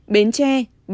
bến tre ba mươi chín